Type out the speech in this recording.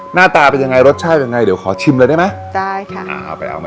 หน้าตาเป็นยังไงรสชาติเป็นยังไงเดี๋ยวขอชิมเลยได้ไหม